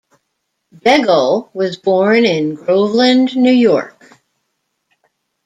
Begole was born in Groveland, New York.